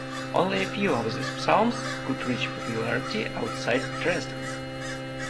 Only a few of these psalms could reach popularity outside Dresden.